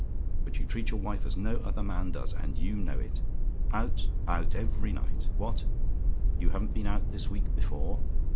But you treat your wife as no other man does and you know it. "Out out every night! What? "YOU HAVEN'T BEEN OUT THIS WEEK BEFORE?